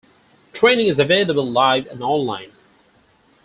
Training is available live and online.